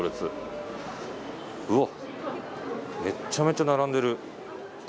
うわっめっちゃめちゃ並んでる。